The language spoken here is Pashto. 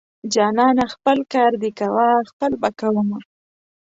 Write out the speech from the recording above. جانانه خپل کار دې کوه خپل به کوومه.